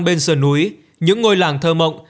bên sờ núi những ngôi làng thơ mộng